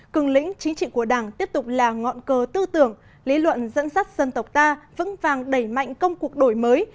cường lĩnh chính trị của đảng tiếp tục là ngọn cờ tư tưởng lý luận dẫn dắt dân tộc ta vững vàng đẩy mạnh công cuộc đổi mới